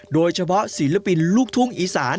โดยเฉพาะศิลปินลูกทุ้งอีสาน